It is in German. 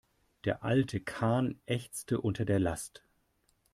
Der alte Kahn ächzte unter der Last.